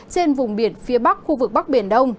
trên vùng biển phía bắc khu vực bắc biển đông